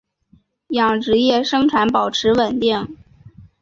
养殖业生产保持稳定。